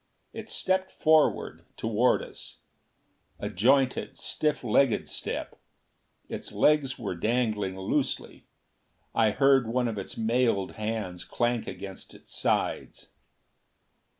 It stepped forward toward us. A jointed, stiff legged step. Its arms were dangling loosely; I heard one of its mailed hands clank against its sides.